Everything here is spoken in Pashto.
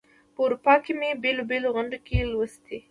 په اروپا کې مي په بېلو بېلو غونډو کې لوستې دي.